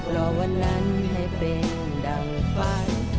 รอวันนั้นให้เป็นดังไฟ